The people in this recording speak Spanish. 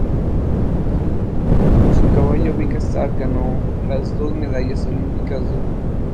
Con su caballo Big Star ganó las dos medallas olímpicas de oro.